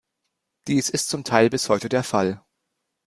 Dies ist zum Teil bis heute der Fall.